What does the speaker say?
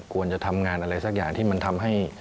ควรจะทำงานอะไรสักอย่างที่มันทำให้